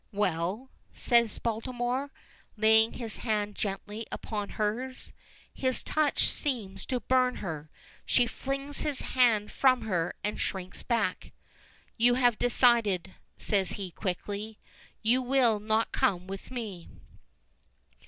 "Well?" says Baltimore, laying his hand gently upon hers. His touch seems to burn her, she flings his hand from her and shrinks back. "You have decided," says he quickly. "You will not come with me?"